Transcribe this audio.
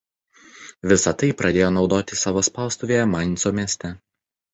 Visa tai pradėjo naudoti savo spaustuvėje Mainco mieste.